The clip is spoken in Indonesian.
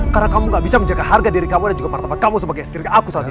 karena kamu gak bisa menjaga harga diri kamu dan juga martabat kamu sebagai istri aku saat itu